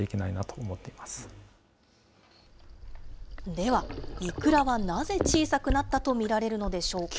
では、イクラはなぜ小さくなったと見られるのでしょうか。